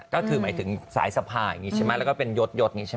ก็คือหมายถึงสายสะพายย็ดแล้วก็เป็นยด